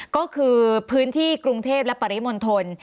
ก็คือพื้นที่กรุงเทพและปริมณฑล